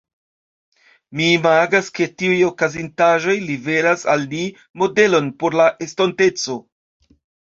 Mi imagas ke tiuj okazintaĵoj liveras al ni modelon por la estonteco.